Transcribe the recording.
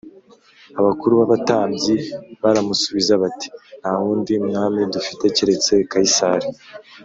Abakuru b abatambyi baramusubiza bati nta wundi mwami dufite keretse Kayisari